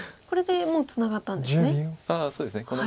これでもうツナがったんですね。